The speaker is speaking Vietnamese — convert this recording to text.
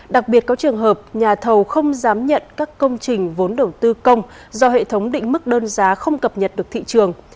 đặc biệt có trường hợp nhà thầu không dám nhận các công trình vốn đầu tư công do hệ thống định mức đơn giá không cập nhật được thị trường